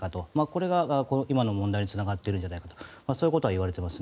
これが今の問題につながっているんじゃないかとそういうことはいわれています。